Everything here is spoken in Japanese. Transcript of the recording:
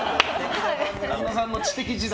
神田さんの知的時代？